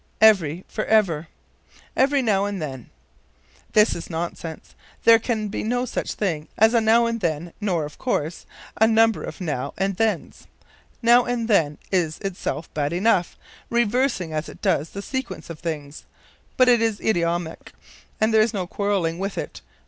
Every for Ever. "Every now and then." This is nonsense: there can be no such thing as a now and then, nor, of course, a number of now and thens. Now and then is itself bad enough, reversing as it does the sequence of things, but it is idiomatic and there is no quarreling with it.